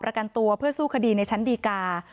ประกันตัวเพื่อสู้คดีในชั้นดีกา